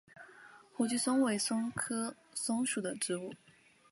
火炬松为松科松属的植物。